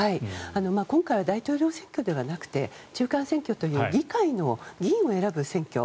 今回は大統領選挙ではなくて中間選挙の議会の議員を選ぶ選挙。